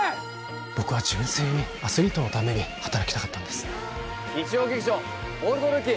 僕は純粋にアスリートのために働きたかったんです